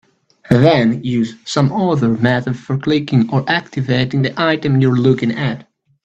Then use some other method for clicking or "activating" the item you're looking at.